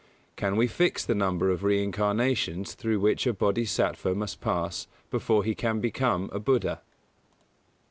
_Can we fix the number of reincarnations through which a Bōdhisattva must pass before he can become a Buddha?